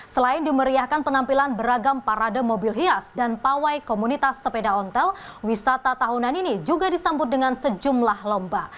selain dimeriahkan penampilan beragam parade mobil hias dan pawai komunitas sepeda ontel wisata tahunan ini juga disambut dengan sejumlah lomba